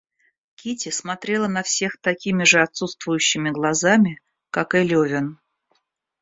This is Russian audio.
Кити смотрела на всех такими же отсутствующими глазами, как и Левин.